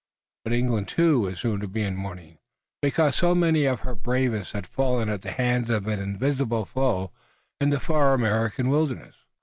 But England too was soon to be in mourning, because so many of her bravest had fallen at the hands of an invisible foe in the far American wilderness.